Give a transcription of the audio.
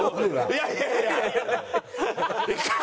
いやいやいや。